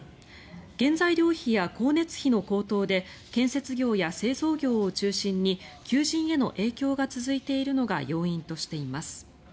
原材料費や光熱費の高騰で建設業や製造業を中心に求人への影響が続いているのが要因としています。